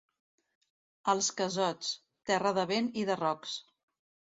Els Casots, terra de vent i de rocs.